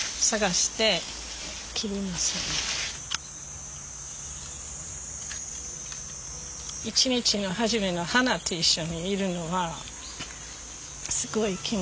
一日の始めの花と一緒にいるのはすごい気持ちいいです。